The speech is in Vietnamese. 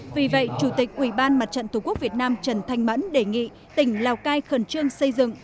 vì vậy chủ tịch ủy ban mặt trận tổ quốc việt nam trần thanh mẫn đề nghị tỉnh lào cai khẩn trương xây dựng